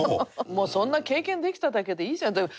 もうそんな経験できただけでいいじゃん。